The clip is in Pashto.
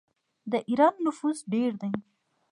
د ایران نفوس ډیر دی.